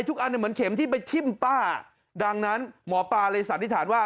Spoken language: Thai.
อันเหมือนเข็มที่ไปทิ้มป้าดังนั้นหมอปลาเลยสันนิษฐานว่า